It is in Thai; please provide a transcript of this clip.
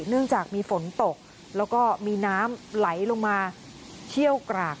เนื่องจากมีฝนตกแล้วก็มีน้ำไหลลงมาเชี่ยวกราก